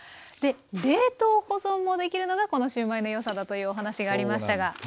で冷凍保存もできるのがこのシューマイの良さだというお話がありましたが。